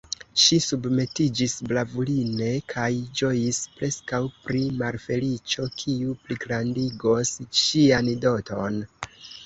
Ŝi submetiĝis bravuline, kaj ĝojis preskaŭ pri malfeliĉo, kiu pligrandigos ŝian doton.